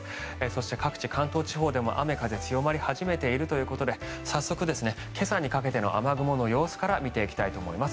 そして、各地、関東地方でも雨が強まり始めているということで早速、今朝にかけての雨雲の様子から見ていきたいと思います。